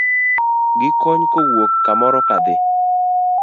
Gi kony kowuok kamoro kadhi